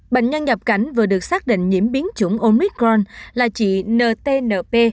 bệnh nhân nhập cảnh vừa được xác định nhiễm biến chủng omicron là chị ntnp